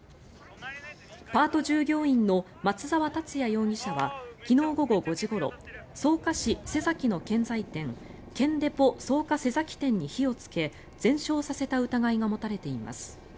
パート従業員の松沢達也容疑者は昨日午後５時ごろ草加市瀬崎の建材店建デポ草加瀬崎店に火をつけ全焼させた疑いが持たれています。